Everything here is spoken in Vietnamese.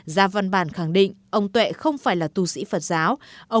ra văn bản khẳng định ông tuệ không phải là tu sĩ phật giáo